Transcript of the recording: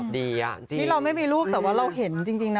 นี่เราไม่มีรูปแต่ว่าเราเห็นจริงนะ